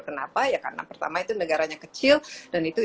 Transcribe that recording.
kenapa ya karena pertama itu negaranya kecil dan itu